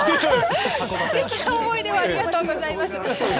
素敵な思い出をありがとうございます。